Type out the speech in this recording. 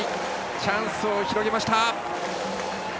チャンスを広げました。